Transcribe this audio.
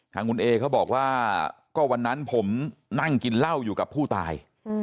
ทางคุณเอเขาบอกว่าก็วันนั้นผมนั่งกินเหล้าอยู่กับผู้ตาย